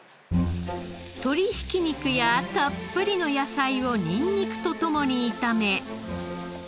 鶏ひき肉やたっぷりの野菜をニンニクと共に炒め。